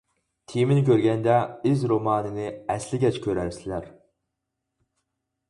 تېمىنى كۆرگەندە «ئىز» رومانىنى ئەسلىگەچ كۆرەرسىلەر.